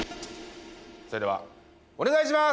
それではお願いします！